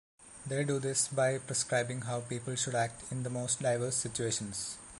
They do this by prescribing how people should act in the most diverse situations.